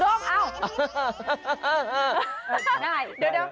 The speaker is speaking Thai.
ได้เดี๋ยว